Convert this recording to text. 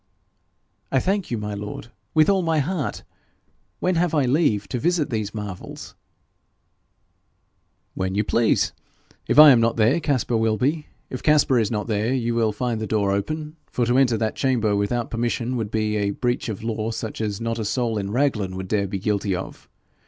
'I thank you, my lord, with all my heart. When have I leave to visit those marvels?' 'When you please. If I am not there, Caspar will be. If Caspar is not there, you will find the door open, for to enter that chamber without permission would be a breach of law such as not a soul in Raglan would dare be guilty of.